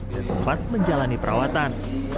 dan sempat menjalani perawatan